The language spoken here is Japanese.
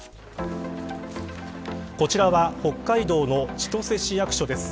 こちらは北海道の千歳市役所です。